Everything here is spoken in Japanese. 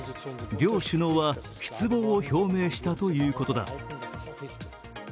両首脳は失望を表明したということだ。